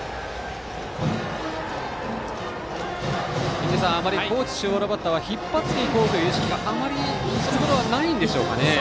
印出さんあまり高知中央のバッターは引っ張っていこうという意識がそれほどないんでしょうか。